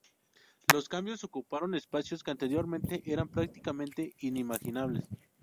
Los cambios ocuparon espacios que anteriormente eran prácticamente inimaginables.